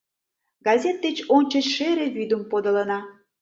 Газет деч ончыч шере вӱдым подылына.